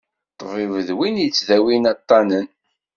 Ṭbib d win yettdawin aṭṭanen.